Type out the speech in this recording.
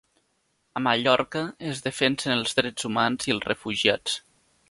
A Mallorca es defensen els drets humans i els refugiats